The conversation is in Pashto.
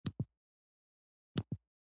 په پایله کې دوی ته یو سلنه ګټه پاتې کېږي